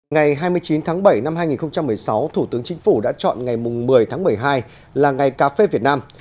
ngày hai mươi chín tháng bảy năm hai nghìn một mươi sáu thủ tướng chính phủ đã chọn ngày một mươi tháng một mươi hai là ngày cà phê việt nam